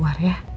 terima kasih ibu